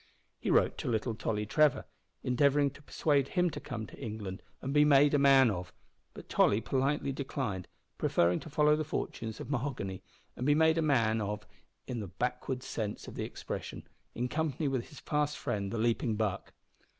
He wrote to little Tolly Trevor endeavouring to persuade him to come to England and be "made a man of", but Tolly politely declined, preferring to follow the fortunes of Mahoghany and be made a man of in the backwoods sense of the expression, in company with his fast friend the Leaping Buck.